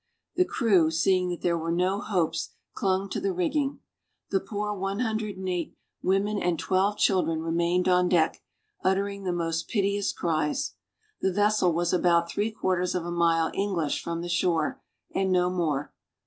The crew seeing that there were no hopes, clung to the rigging. The poor 108 women and 12 children remained on deck, uttering the most piteous cries. The vessel was about three quarters of a mile English from the shore, and no more.